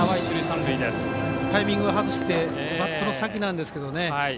タイミングを外してバットの先なんですけどね。